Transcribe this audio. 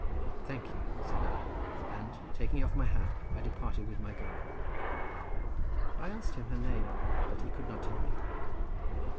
"Thank you," said I, and, taking off my hat, I departed with my guide. I asked him her name, but he could not tell me.